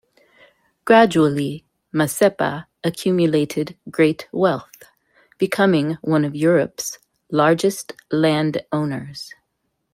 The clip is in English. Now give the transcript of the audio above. Gradually, Mazepa accumulated great wealth, becoming one of Europe's largest land owners.